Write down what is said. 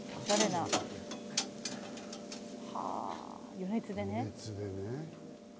余熱でね。